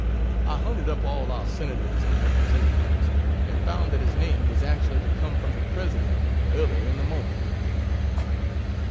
I hunted up all our Senators and representatives and found that his name was actually to come from the President early in the morning.